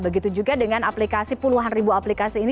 begitu juga dengan aplikasi puluhan ribu aplikasi ini